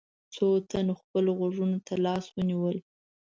څو تنو خپلو غوږونو ته لاسونه ونيول.